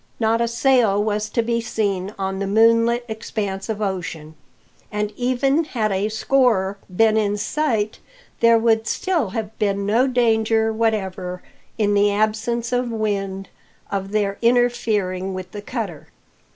Not a sail was to be seen on the moonlit expanse of ocean; and even had a score been in sight, there would still have been no danger whatever, in the absence of wind, of their interfering with the cutter.